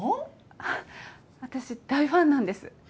あっ私大ファンなんです。